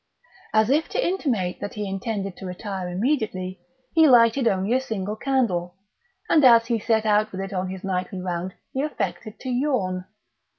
As if to intimate that he intended to retire immediately, he lighted only a single candle; and as he set out with it on his nightly round he affected to yawn.